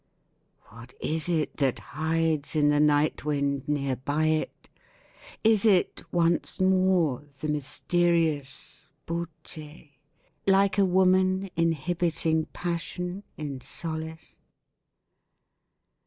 What is it that hides in the night wind Near by it? Is it, once more, the mysterious beaute. Like a woman inhibiting passion In solace?